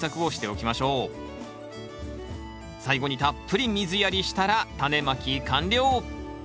最後にたっぷり水やりしたらタネまき完了！